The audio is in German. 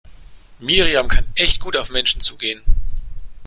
Miriam kann echt gut auf Menschen zugehen.